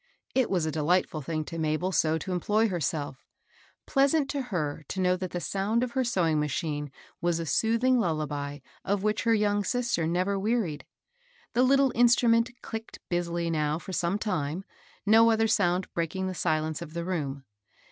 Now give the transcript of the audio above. It was a delightftd thing to Mabel so HILDA A SEWING GIRL. 73 to employ herself, — pleasant tp her to know that the sound of her sewing machine was a soothing lullaby of which her young sister never wearied. The little instrument "clicked" busily now for some time, no other sound breaking the silence of the room.